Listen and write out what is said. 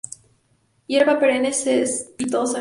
Hierba perenne, cespitosa.